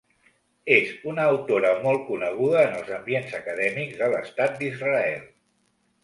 És una autora molt coneguda en els ambients acadèmics de l'estat d'Israel.